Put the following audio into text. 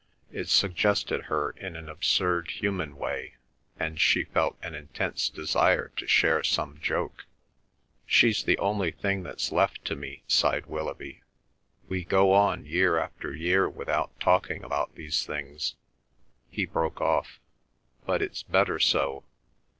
It suggested her in an absurd human way, and she felt an intense desire to share some joke. "She's the only thing that's left to me," sighed Willoughby. "We go on year after year without talking about these things—" He broke off. "But it's better so.